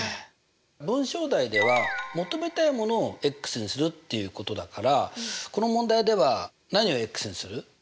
文章題では求めたいものをにするっていうことだからこの問題では何をにする？